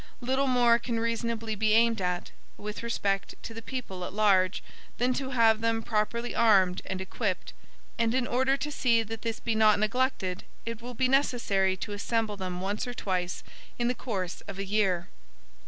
Little more can reasonably be aimed at, with respect to the people at large, than to have them properly armed and equipped; and in order to see that this be not neglected, it will be necessary to assemble them once or twice in the course of a year.